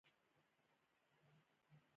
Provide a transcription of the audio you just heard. استاده ډي این اې په حجره کې کوم ځای لري